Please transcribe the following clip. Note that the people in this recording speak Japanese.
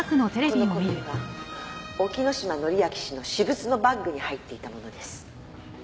この小瓶は沖野島紀明氏の私物のバッグに入っていた物です。